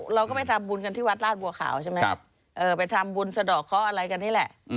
เราก็ไปทำบุญกันที่วัดราชบัวขาวใช่ไหมไปทำบุญสะดอกเคาะอะไรกันนี่แหละ